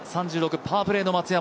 パープレーの松山。